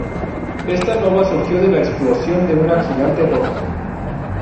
Esta nova surgió de la explosión de una gigante roja.